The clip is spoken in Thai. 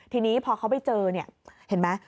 ทีนี้พอเขาไปเจอเนี่ยเห็นไหม